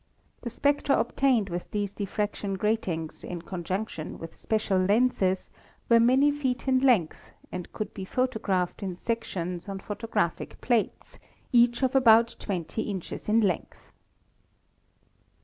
The spectra obtained with these diffraction gratings in conjunction with special lenses were many feet in length and could be photographed in sections on photographic plates, each of about 20 inches in length.